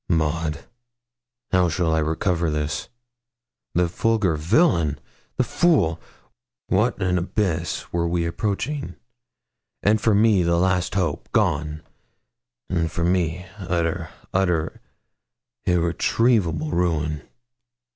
'Maud, how shall I recover this? The vulgar villain the fool! What an abyss were we approaching! and for me the last hope gone and for me utter, utter, irretrievable ruin.'